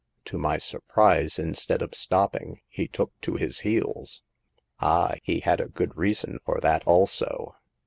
To my surprise, instead of stopping, he took to his heels." Ah, he had a good reason for that also."